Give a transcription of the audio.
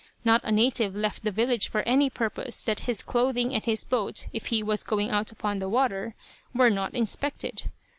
Not a native left the village for any purpose that his clothing and his boat, if he was going out upon the water, were not inspected.